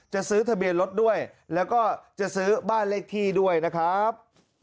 จะซื้อทะเบียนรถด้วยแล้วก็จะซื้อบ้านเลขที่ด้วยนะครับ